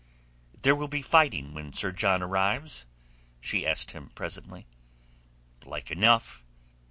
"There will be fighting when Sir John arrives?" she asked him presently. "Like enough.